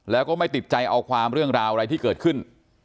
แล้วก็ไม่ติดใจเอาความเรื่องราวอะไรที่เกิดขึ้น